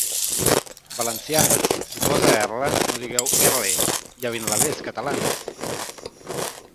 Valencians, si posa 'erra' no digueu 'erre'; i a l'inrevès, catalans.